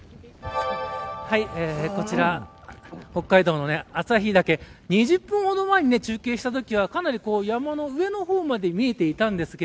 こちら北海道の旭岳２０分ほど前に中継したときはかなり山の上の方まで見えていたんですか